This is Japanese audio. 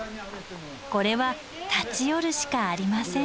これは立ち寄るしかありません。